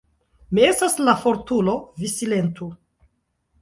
"Mi estas la fortulo, vi silentu.